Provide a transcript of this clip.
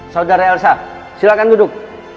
sudari elsa silahkan duduk